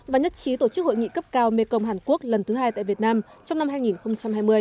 và nhất trí tổ chức hội nghị cấp cao mekong hàn quốc lần thứ hai tại việt nam trong năm hai nghìn hai mươi